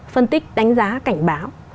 phân tích đánh giá cảnh báo